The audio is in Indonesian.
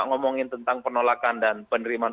ngomongin tentang penolakan dan penerimaan